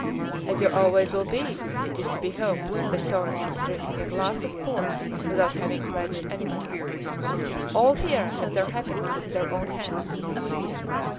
"As you always will be, it is to be hoped," said Torres, drinking a glass of port without having pledged anybody. "All here have their happiness in their own hands."